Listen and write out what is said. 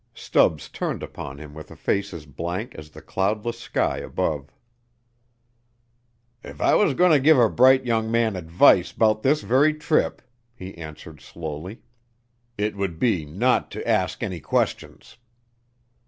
Stubbs turned upon him with a face as blank as the cloudless sky above. "If I was goneter give a bright young man advice 'bout this very trip," he answered slowly, "it would be not to ask any questions."